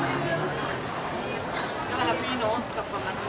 ความข้าวที่องค์มีรู้ที่ดีนะ